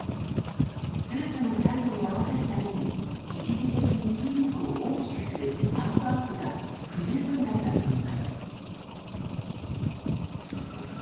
スーツのサイズに合わせるために、一時的に筋肉を大きくする、パンプアップが不十分だったといいます。